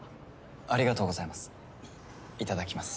ありがとうございますいただきます。